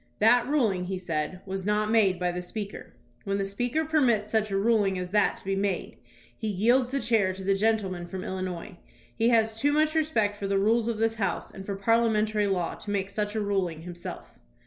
"That ruling," he said, "was not made by the Speaker. When the Speaker permits such a ruling as that to be made, he jdelds the chair to the gentleman from Il linois. He has too much respect for the rules of this House and for parliamentary law to make such a ruling himself."